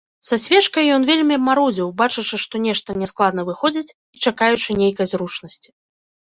Са свечкай ён вельмі марудзіў, бачачы, што нешта няскладна выходзіць, і чакаючы нейкай зручнасці.